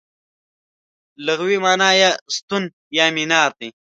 لغوي مانا یې ستون یا مینار دی.